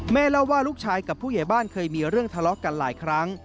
เล่าว่าลูกชายกับผู้ใหญ่บ้านเคยมีเรื่องทะเลาะกันหลายครั้ง